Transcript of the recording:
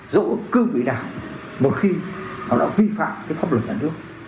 dẫu cư vị đảng một khi họ đã vi phạm pháp luật nhà nước